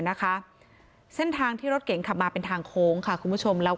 นะคะเส้นทางที่รถเก๋งขับมาเป็นทางโค้งค่ะคุณผู้ชมแล้ว